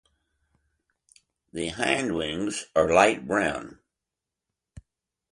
The hindwings are light brown.